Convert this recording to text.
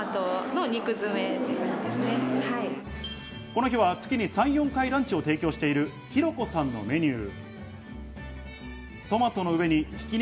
この日は月に３４回、ランチを提供している、ひろこさんのメニュー。